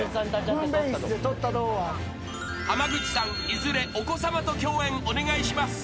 いずれお子さまと共演お願いします］